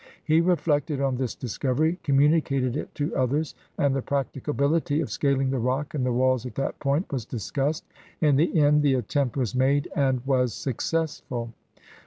He reflected on this discovery, communicated it to others, and the practicabihty of scaling the rock and the walls at that point was discussed. In the end, the at tempt was made and was successful.